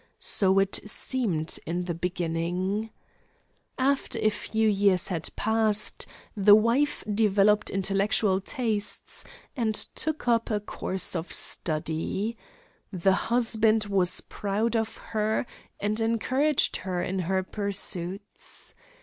So it seemed in the beginning. After a few years had passed, the wife developed intellectual tastes and took up a course of study. The husband was proud of her and encouraged her in her pursuits.